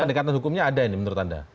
pendekatan hukumnya ada ini menurut anda